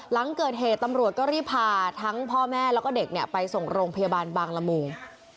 หลังเกิดเหตุตำรวจก็รีบพาทั้งพ่อแม่แล้วก็เด็กไปส่งโรงพยาบาลบางละมุง